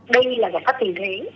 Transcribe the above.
đây là giải pháp tình thế